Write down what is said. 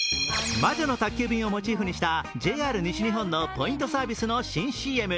「魔女の宅急便」をモチーフにしたＪＲ西日本のポイントのサービスの新ＣＭ。